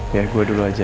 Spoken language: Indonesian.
biar saya dulu saja